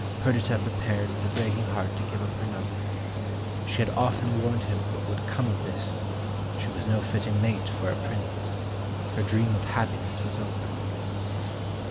Perdita prepared with a breaking heart to give up her lover. She had often warned him what would come of this; she was no fitting mate for a Prince. Her dream of happiness was over.